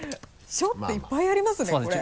「しょ」っていっぱいありますねこれ。